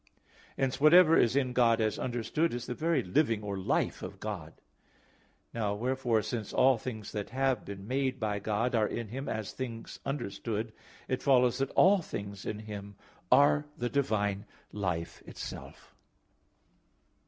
Hence whatever is in God as understood is the very living or life of God. Now, wherefore, since all things that have been made by God are in Him as things understood, it follows that all things in Him are the divine life itself.